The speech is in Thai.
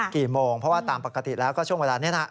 กี่โมงเพราะว่าตามปกติแล้วก็ช่วงเวลานี้นะ